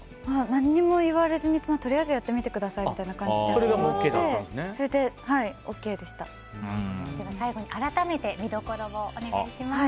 何も言われずに、とりあえずやってみてくださいみたいな感じでは、最後に改めて見どころをお願いします。